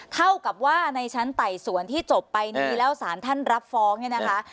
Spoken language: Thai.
เท่ากับว่าในชั้นไต่สวนที่จบไปนี่แล้วสารท่านรับฟ้องเนี่ยนะคะ